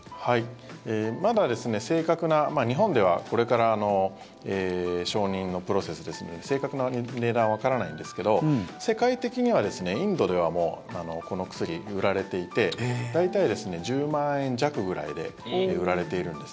まだ正確な日本ではこれから承認のプロセスですので正確な値段はわからないんですけど世界的には、インドではもうこの薬、売られていて大体１０万円弱くらいで売られているんです。